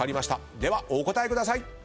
ではお答えください。